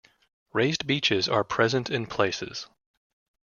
Raised beaches are present in places.